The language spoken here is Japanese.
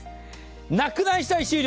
なくなりしだい終了。